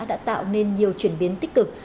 đã tạo nên nhiều chuyển biến tích cực